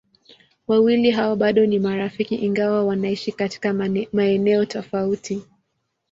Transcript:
Wawili hao bado ni marafiki ingawa wanaishi katika maeneo tofauti.